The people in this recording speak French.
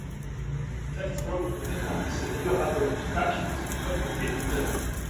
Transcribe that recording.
Death Row comptait parmi ses meilleurs rappeurs Tupac, Snoop Dogg et Dr.